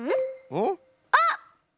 あっ！